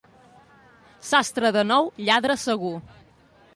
Sastre de nou, lladre segur.